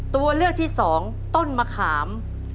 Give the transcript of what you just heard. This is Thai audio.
ตัวเลือกที่สองต้นมะขาม